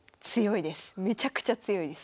めちゃくちゃ強いです。